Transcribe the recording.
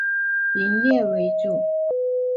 以夜间营业为主。